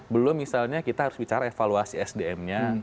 belum misalnya kita harus bicara evaluasi sdm nya